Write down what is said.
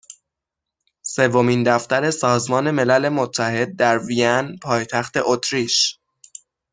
سومین دفتر سازمان ملل متحد در وین پایتخت اتریش